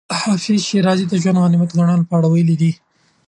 حافظ شېرازي د ژوند د غنیمت ګڼلو په اړه ویلي دي.